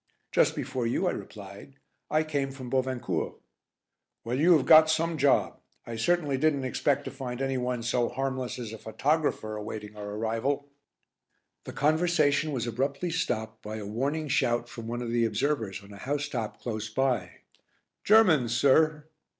"Just before you," I replied. "I came from Bovincourt." "Well, you have got some job. I certainly didn't expect to find anyone so harmless as a photographer awaiting our arrival." The conversation was abruptly stopped by a warning shout from one of the observers on a house top close by. "Germans, sir."